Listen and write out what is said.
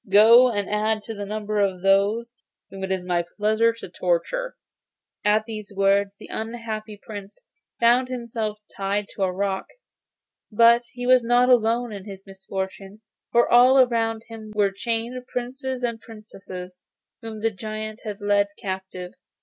Go, and add to the number of those whom it is my pleasure to torture.' At these words the unhappy Prince found himself tied to a rock; but he was not alone in his misfortunes, for all round him were chained Princes and Princesses, whom the giant had led captive.